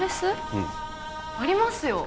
うんありますよ